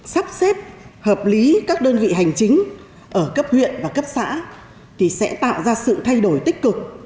sắp xếp hợp lý các đơn vị hành chính ở cấp huyện và cấp xã thì sẽ tạo ra sự thay đổi tích cực